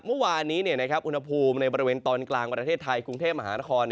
เมื่อวานนี้อุณหภูมิในบริเวณตอนกลางประเทศไทยกรุงเทพมหานคร